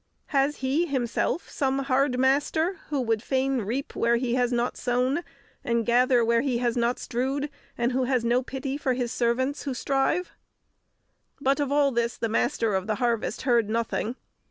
Has he himself some hard master, who would fain reap where he has not sown, and gather where he has not strewed, and who has no pity for his servants who strive?" But of all this the Master of the Harvest heard nothing.